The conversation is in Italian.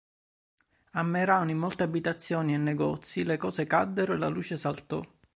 A Merano in molte abitazioni e negozi le cose caddero e la luce saltò.